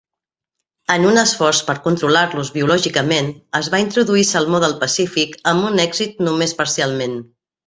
En un esforç per controlar-los biològicament, es va introduir salmó del Pacífic, amb un èxit només parcialment.